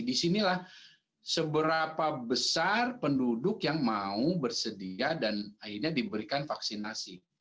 disinilah seberapa besar penduduk yang mau bersedia dan akhirnya diberikan vaksinasi